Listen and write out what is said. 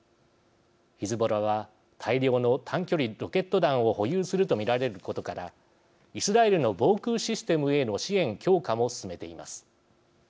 ヒズボラは大量の短距離ロケット弾を保有すると見られることからイスラエルの防空システムへの支援強化も進めています。